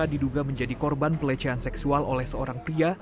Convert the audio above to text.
diduga menjadi korban pelecehan seksual oleh seorang pria